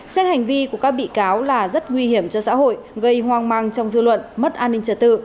xét hành vi của các bị cáo là rất nguy hiểm cho xã hội gây hoang mang trong dư luận mất an ninh trật tự